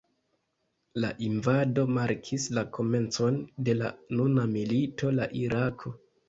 La invado markis la komencon de la nuna milito de Irako.